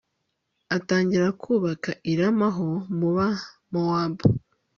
atangira kubaka i rama ho muba mowabu